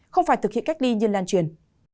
không phải thực hiện cách ly như lan truyền